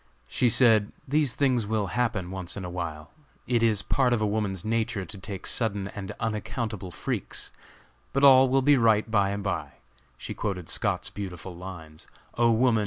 She said, "these things will happen once in a while; it is part of a woman's nature to take sudden and unaccountable freaks; but all will be right by and by." She quoted Scott's beautiful lines: "O Woman!